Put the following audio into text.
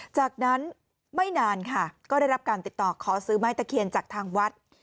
จากนั้นไม่นานค่ะก็ได้รับการติดต่อขอซื้อไม้ตะเคียนจากทางวัด